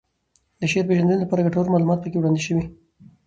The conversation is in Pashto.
د شعر پېژندنې لپاره ګټور معلومات پکې وړاندې شوي